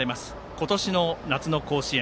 今年の夏の甲子園。